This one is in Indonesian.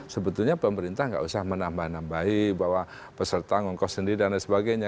sebetulnya pemerintah nggak usah menambah nambahi bahwa peserta ngongkos sendiri dan lain sebagainya